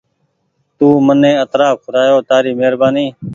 تو مني اترآن کورآيو تآري مهربآني